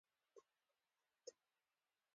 د کلمې په توګه واده یو رواني واحد دی